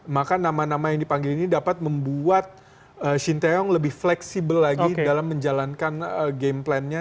maka nama nama yang dipanggil ini dapat membuat shin taeyong lebih fleksibel lagi dalam menjalankan game plannya